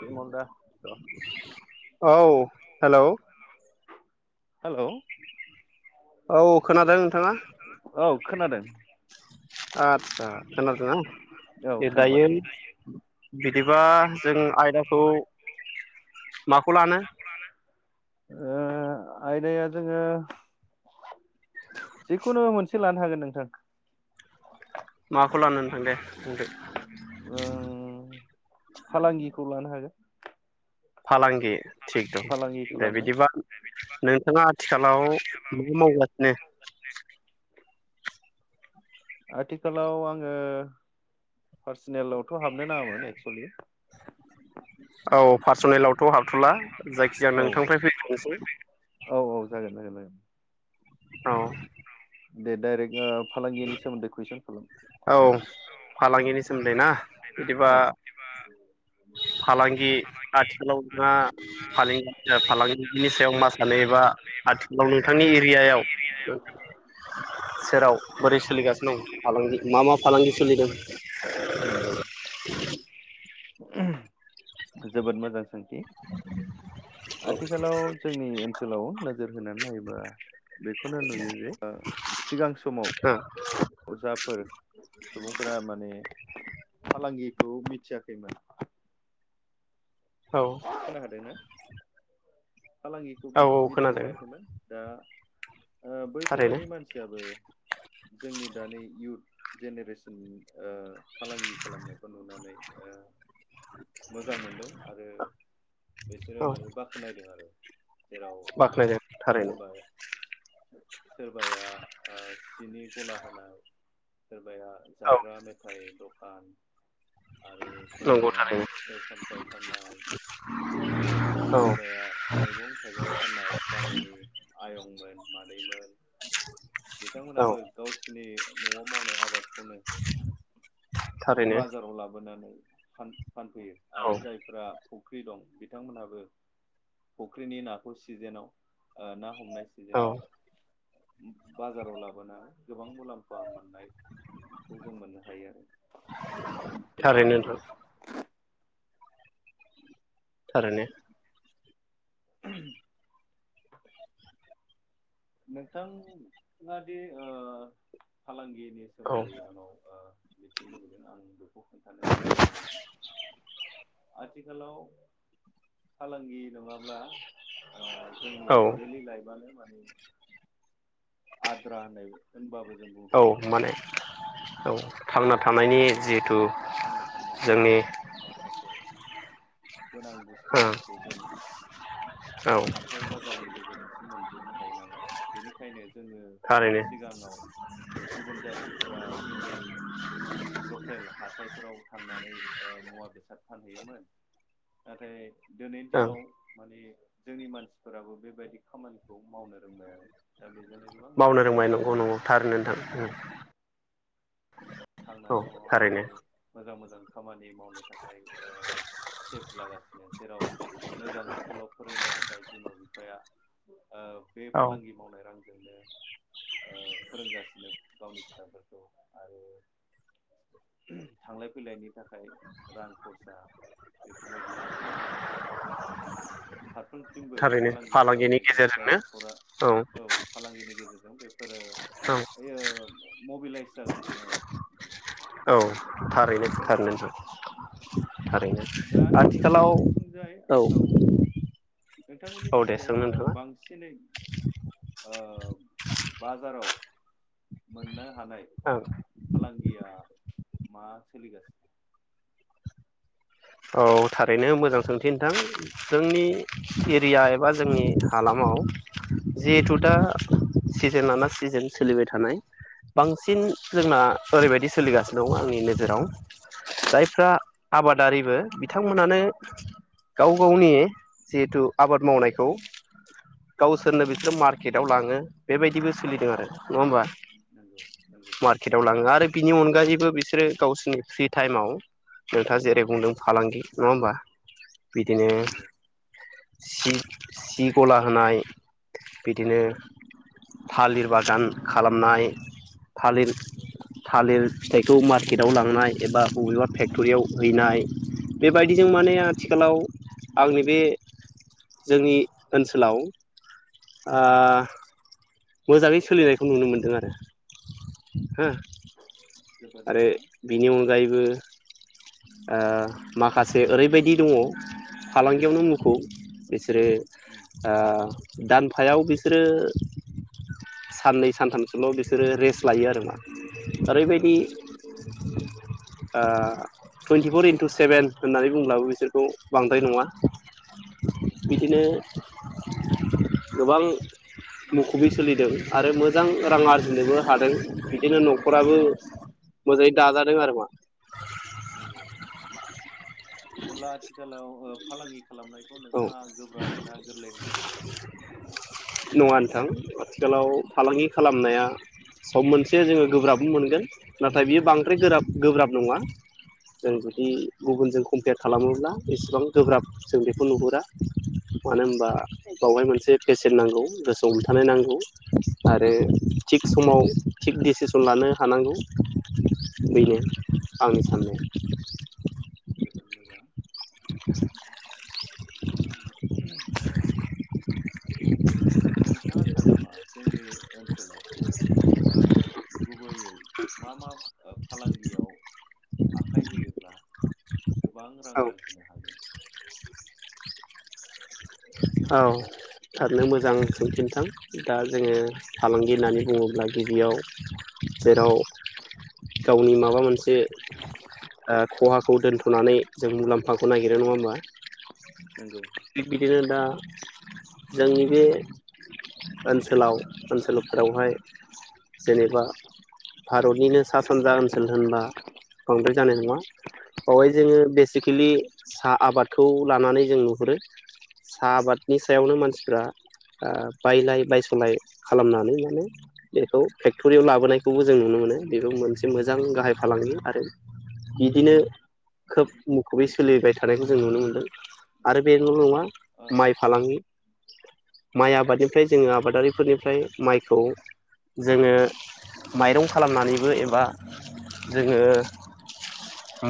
बिमल दा औ hello hello औ खोनादों नोंथाङा औ खोनादों आतसा खोनादोंना औ ए दायो खोनाबाय जुदि बा जों आयदाखौ माखौ लानो ओ आयदाया जोंङो जिखुनु मोनसे लानो हागोन नोंथां माखौ लानो नोंथां दे बुंदो उम फालांगिखौ लानो हागोन फालांगि थिग दं फालांगि दे खालामनाय बिदिबा नोंथाङा आथिखालाव मा मावगासिनो? आथिखालाव आङो फा पारसनेल आवथ हाबनो नांआमोन एकसुलि औ पार्सनेलावथ' हाबथ'ला जायखिजाया नोंथांनिफ्राय फैग्रोनोसै [unintelligible] औ। दे डाइरेक्ट ओ फालांगिनि सोमोन्दै कुइसन खालाम औ फालांगिनि सोमोन्दै ना बिदिबा औ फालांगि आथिखालाव नोंथांआ फालांगिनि सायाव मा सानो एबा आथिखालाव नोंथांनि एरियायाव सेराव बोरै सोलिगासिनो दं फालांगि मा मा फालांगि सोलिदों नंगौ। [inaudible] जोबोद मोजां सोंथि आथिखालाव जोंनि ओनसोलाव नोजोर होनानै नायोबा बेखौनो नुयो जे ओ सिगां समाव [inaudible] जाफोर सुबुंफोरा माने फालांगिखौ मिथियाखैमोन औ [unintelligible] फालांगिखौ औ औ मिथि खोनादों हायाखैमोन दा ओ थारैनो बैफोरबायदि मानसियाबो जोंनि दानि इयउथ जेनेरेसन ओ फालांगि खालामनायखौ नुनानै ओ मोजां मोनदों आरो बिसोरो औ माने बाख्नायदों आरो जेराव बाख्नायदों थारैनो सोरबाया सोरबाया आ सिनि गला होनाय बाया औ जाग्रा मेथाइ द [unintelligible] आरो नंगौ सोरबाया थारैनो फिथाइ सामथाइ फाननाय आरो औ सोरबाया मैगं थाइगं फाननाय गामिनि आयंमोन मादैमोन औ बिथांमोनाबो गावसिनि न'आव मावनाय आबाद। खौनो थारैनो बाजाराव लाबोनानै सान। फानफैयो औ आरो जायफ्रा फुख्रि दं बिथांमोनहाबो फुख्रिनि नाखौ सिजेनाव ओ ना हमनाय औ सिजेनाव बाजाराव लाबोना गोबां मुलाम्फा मोननायखौ जों मोननो हायो आरो। थारैनों थां थारैनो। नोंथाङादि ओ फालांगि। नि औ सोमोन्दै आंनाव ओ बेथिंनो लुबैदों आंबो। [inaudible] आथिखालाव फालांगि नङाब औ जोंनि लि लाइ उम। आद्रा होननाय होनबाबो। जों औ बुंद्रायनाय जानाय माने नङा औ। थांना थानायनि जिहेथु थांना थानायनि जोंनि माखासे गोनां ओ बुस्थुफोरखौ जों औ हाथाय बाजारनि गेजेरजोंसो मोनजोबनो हायो नालाय। बेनिखायनो। जोङो थारैनो सिगाङाव गुबुन जाथिफोरा जोंनि लकेल हाथायफोर। याव थांनानै मुवा बेसाद फानहैयोमोन नाथाय। दिनै ओं दिनाव माने जोंनि मानसिफोराबो बेबायदि खामानिखौ मावनो रोंबाय आरो दा बे मावनो रोंबाय नंगौ नंगौ थार नोंथां। थांनानै औ दङ आरो थारैनो मोजां मोजां खामानि मावनो थाखाय स्टेप लागासिनो जेराव मोजां स्कुलाव फोरोंनो थाखाय बिमा बिफाया बे औ फालांगि मावनाय रां जोंनो फोरोंगासिनो गावनि फिसाफोरखौ आरो थांलाय फैलायनि थाखाय रां खरसा बेफोरबायदि गासैबो फारफ्रोमथिमबो थारैनो फालांगि फालांगिनि खालामनाय जों जाय गेजेरजोंनो नखरा औ फालांगिनि गेजेरजों जों बे फोर औ ओइओ मबिलाइस जागासिनो आरो औ थारैनो थारैनो नोंथां। थारैनो दा आथिखालाव नोंथांमोननिथिंजाय औ औ दे नोंथांमोननिथिंजाय सों नोंथाङा बांसिनै ओ बाजाराव मोननो हानाय ओं फालांगिया मा सोलिगासि औ थारैनो मोजां सोंथि नोंथां जोंनि एरिया एबा जोंनि हालामाव औ जिहेथु दा सिजोन लाना सिजोन सोलिबाय थानाय बांसिन जोंना ओरैबायदि सोलिगासिनो दं आंनि नोजोराव जायफ्रा आबादारि फोर बिथांमोनानो गाव नंगौ गावनि जिहेथु आबाद मावनायखौ गावसोरनो बिसोरो मार्केटाव लाङो बेबायदिबो सोलिदों आरो नङा होमबा? नंगौ नंगौ मार्केट आव लाङो आरो। बिनि अनगायैबो बिसोरो गावसोरनि फ्रि टाइमाव नोंथाङा जेरै बुंदों। फालांगि नङा होमबा। बिदिनो। नंगौ सि सि गला होनाय बिदिनो थालिर बागान खालामनाय थालिर थालिर फिथाइखौ मार्केटआव लांनाय एबा बबेबा फेक्टरियाव हैनाय। बेबायदिजों माने आथिखालाव आंनि बे जोंनि ओनसोलाव। मोजाङै सोलिनायखौ नुनो मोनदों आरो हो। जोबोद आरो मोजां बिनि अनगायैबो। माखासे ओरैबायदि दङ फालांगियावनो मुंखौ बि सोरो उम आ। दानफायाव बिसोरो साननै सानथामसोल बिसोरो रेस्ट लायो आरो मा। औ ओरैबायदि ओ टुइन्टिफर इन्टु सेभेन होननानै बुंब्लाबो बिसोरखौ बांद्राय नङा। नंगौ बिदिनो। गोबां मुखुबि सोलिदों आरो मोजां रां आरजिनोबो हादों बिदिनो न राबो नंगौ मोजाङै दाजादों आरो मा अब्ला आथिखालाव ओ फालांगि खालामनायखौ औ नोंथाङा गोब्राब ना गोरलै होननानै सानो। नङा नोंथां आथिखालाव फालांगि खालामनाया सम मोनसे जोङो गोब्राबो मोनगोन नाथाय बियो बांद्राय गोब्राब नङा। जों जुदि नंगौ गुबुनजों कम्पेयार खालामोब्ला। एसेबां गोब्राब जों खौ नुहुरा मानो होनबा बावहाय मोनसे पेसेन नांगौ गोसोआव हमथानाय नांगौ आरो नंगौ थिग समाव थिग डिसिसन लानो हानांगौ। बेनो नंगौ आंनि साननाय जोबोद मोजां। [inaudible] [inaudible] नोंथाङा सानो नामा जोंनि ओनसोलाव ओ गुबैयै मा-मा फालांगियाव आखाइ होयोब्ला गोबां रां औ आरजिनो हागोन। औ थारैनो मोजां सोंथि नोंथां दा जोङो फालांगि होननानै बुङोब्ला गिबियाव जेराव गावनि माबा मोनसे एसे ओ ख'हाखौ दोनथ'नानै जों मुलाम्फाखौ नागिरो नङा नंगौ होमबा। नंगौ। थिग बिदिनो दा जोंनि बे ओनसोलाव ओनसोलफोरावहाय जेनेबा भारतनिनो। सा सानजा ओनसोल होनबा बांद्राय जानाय नङा। बावहाय जोङो बेसिकेलि। साहा आबाद। खौ लानानै जों नुहुरो साहा आबादनि सायावनो मानसिफ्रा बायलाय-बायसलाय खालामनानै माने बेखौ फेक्टरियाव लाबोनायखौबो जों नुनो मोनो। बेबो मोनसे मोजां गाहाय फालांगि आरो बिदिनो खोब मुखुबै सोलिबाय थानायखौ। जों नुनो मोन्दों। आरो नंगौ बेल' नङा, ओ माइ फालांगि माइ आबादनिफ्राय जोङो आबादारिफोरनिफ्राय माइखौ जोङो माइरं खालामनानैबो एबा जोङो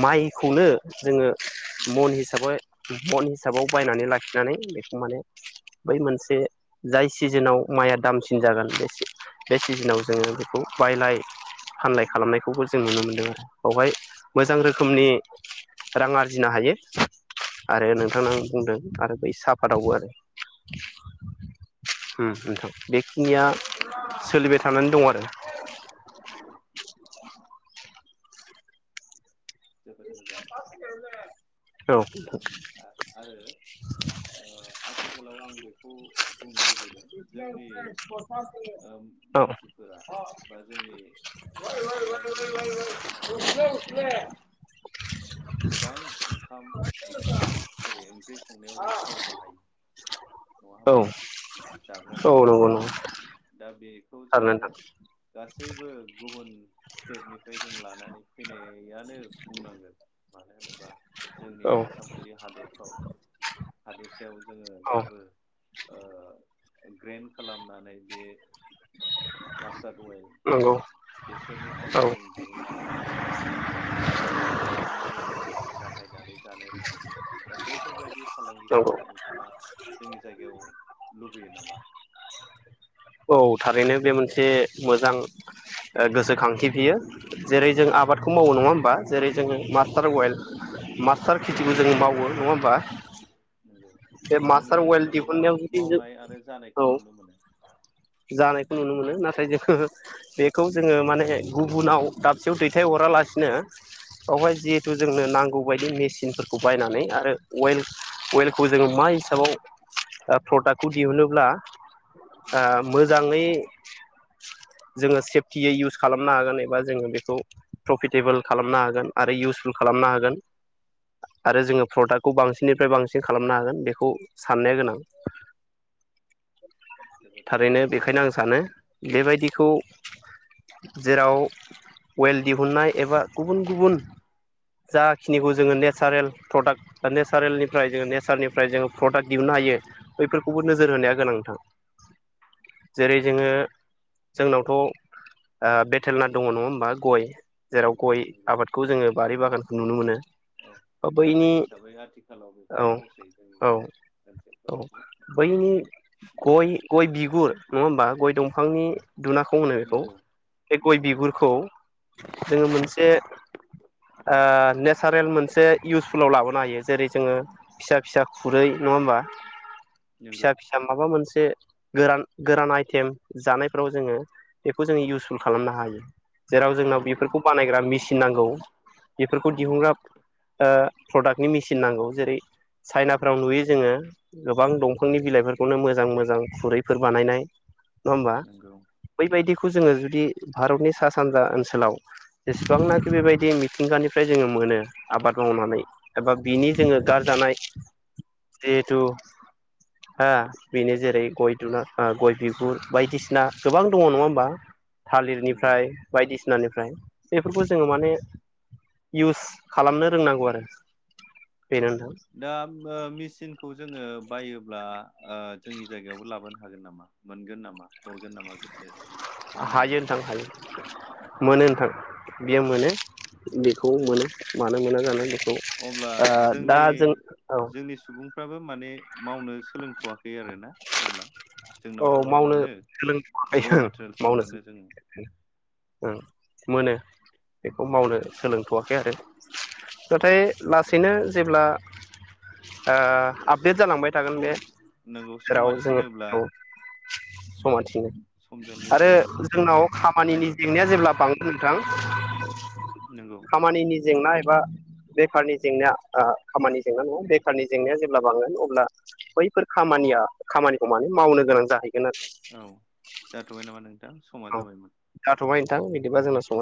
माइखौनो जोङो। उम मन हिसा मन हिसाबाव बायनानै लाखिनानै बेखौ माने बै मोनसे जाय सिजोनाव माइआ दामसिन जागोन बे बे सिजोनाव नंगौ जोङो बेखौ बायलाय। फानलाय खालामनायखौबो जों नुनो मोनदों। आरो बावहाय मोजां रोखोमनि रां आरजि जिनो हायो। आरो नंगौ नोंथांनाव बुंदों। आरो बै साब फाथावबो आरो। बेखिनिया सोलिबाय थानानै दं। आरो नंगौ जोबोद मोजां आरो ओ आथिखाल खालाव आं बेखौ बुंनो लुबैदों। जोंनि ओ अ। मानसिफोरा बा जोंनि सा सानजानि भारतनि मानसिफोरानो गोबां ओंखाम-ओंख्रि सरि ओंख्रि संनायाव जों थाव बाहायो। नङा औ होमबा जाग्रा औ थाव औ नंगौ बाहायो। दा बेखौ थारैनो जोङो गासैबो गुबुन स्टेटनिफ्राय जों लानानै फैनायानो। बुंनांगोन मानो होनोबा? जोंनि नोंथां औ आसाम बायदि हादर औ हादरसायाव जोङो औ दाबो ओ ग्रेन खालामनानै बे मास्टार्ड अइेल नंगौ बेसरनि औ थावखौ जों दिहुना जोंनि जायगायाव दिहुनन्नानै जों बाहायनानै जानो रोङाखै दा बैफोरबायदि फालांगिखौ नंगौ नोंथाङा जोंनि जायगायाव लुबैयो नामा? औ थारैनो बे मोनसे मोजां गोसोखांथि बियो जेरै जों आबादखौ मावो नङा होमबा? जेरै जोङो नंगौ मास्टार वयेल हासार खेथिखौ जों मावो नङा होमबा? नंगौ बे मास्टार जोंनि अइेल ओनसोलाव गोबां दिहुननायाव जुदि जों मावनाय आरो औ जानायखौ नुनो मोनो। जानायखौ नुनो मोनो नाथाय जोङो बेखौ जोङो माने गुबुनाव दाबसेयाव दैथायहरालासिनो बावहाय जिहेथु जोंनो नांगौ बायदि मेसिनफोरखौ बायनानै आरो अवेल अवेलखौ जोङो मा हिसाबाव ओ प्रडाक्टखौ दिहुनोब्ला नंगौ ओ मोजाङै जोङो सेफटियै इउस खालामनो हागोन एबा जोङो बेखौ प्रफिटेबोल खालामनो हागोन आरो इउसफुल खालामनो हागोन आरो जोङो प्रडाक्टखौ बांसिननिफ्राय बांसिन खालामनो हागोन बेखौ साननाया गोनां जोबोद मोजां थारैनो बेखायनो आं सानो बेबायदि खौ जेराव अवेल दिहुनन्नाय एबा गुबुन गुबुन जाखिनिखौ जोङो नेचारेल प्रडाक्ट नेचारेलनिफ्राय जोङो नेचारनिफ्राय जोङो प्रडाक्ट दिहुननो हायो बैफोरखौबो नोजोर नंगौ होनाया गोनां नोंथां [unintelligible] जेरै जोङो जोंनावथ ओ बेथेल नाथ दङ नङा होमबा गय जेराव नंगौ गय नंगौ आबादखौ जोङो बारि बागान नुनो मोनो औ बा बैनि गाहाय हिसाबै आथिखालाव औ बेखौनो मावसै जोंनि औ औ ओनसोलफोरावबो बैनि गय गय बिगुर नङा होमबा गय दंफांनि दुनाखौ होनो बेखौ नंगौ बे गय नंगौ नंगौ बिगुरखौ जोङो मोनसे आ ने सारेल मोनसे इउसफुलाव लाबोनो हायो जेरै जोङो फिसा फिसा खुरै नङा होमबा फिसा नंगौ फिसा माबा मोनसे से गोरान गोरान आइटेम जानायफोराव जोङो बेखौ जोङो इउसफुल खालामनो हायो जेराव जोंनाव नंगौ बेफोरखौ बानायग्रा मेसिन फिनांगौ बेफोरखौ नंगौ दिहुनग्रा ओ प्रडाक्टनि मेसिन नांगौ जेरै नंगौ चाइनाफ्राव नुयो जोङो गोबां दंफांनि बिलाइफोरखौनो मोजां मोजां खुरै फोर बानायनाय नङा ओमबा नंगौ बैबायदि खौ जोङो जुदि भारतनि सा सानजा ओनसोलाव जेसेबांनाखि बेबायदि मिथिंगानिफ्राय जोङो मोनो आबाद मावनानै एबा बिनि जोङो नंगौ गारजानाय जिहेथु हो बेनो जेरै- गय दुना ओ गय बिगुर बायदिसिना गोबां दङ नङा होमबा नंगौ थालिरनिफ्राय बायदिसि सिनानिफ्राय बेफोरखौ जोङो माने इउस खालामनो रोंनांगौ आरो बेनो नोंथां दा ओ मेसिनखौ जोङो बायोब्ला ओ जोंनि जायगायावबो लाबोनो हागोन नामा मोनगोन नामा हरगोन नामा बिसोरो हायो नोंथां हायो मोनो नोंथां बियो मोनो बेखौ मोनो मानो मोना जानो बेखौ अब्ला ओ दा जों औ फ्राबो माने मावनो सोलोंथ'वाखै आरोना अब्ला औ जोंनावथ' मावनो मोनो र' सोलोंखायो मेटेरियेल्सखौ मावनो मोनो सोलों जोङो [inaudible] ओम मोनो बेखौ मावनो सोलोंथ'वाखै आरो नाथाय लासैनो जेब्ला ओ आप देट जालांबाय थागोन सम बे नोंगौ समा जेराव थिनोब्ला जोङो [inaudible] सम थि थिनो समजों आरो लोगोसे जोङो जोंनाव खामानिनि बायद'था जेंनाया जेब्ला बांनो थां नोंगौ जेंना एबा बेफारनि जेंनाया ओ खामानि जेंना नङा बेफारनि जेंनाया जेब्ला बांगोन अब्ला बैफोर खामानिया खामानिखौ माने मावनो गोनां जाहैगोन आरो औ जाथ'बाय नामा नों थां समा जाबायमोन। थां बिदिबा जोंना समा